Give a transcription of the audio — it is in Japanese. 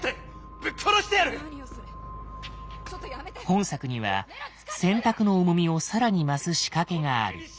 本作には選択の重みを更に増す仕掛けがある。